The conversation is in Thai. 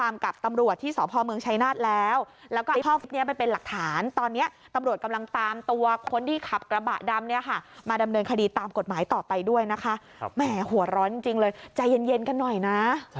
มาดำเนินคดีตามกฎหมายต่อไปด้วยนะคะแหม่หัวร้อนจริงเลยใจเย็นกันหน่อยนะ